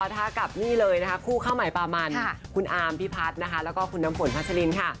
ถ้ากับคู่ข้าวใหม่ปลามันคุณอาร์มพี่พัฒน์และคุณน้ำฝนพัชลินค่ะ